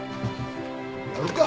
やるか。